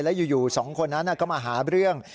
แล้วอยู่สองคนนั้นก็มาหาเรื่อง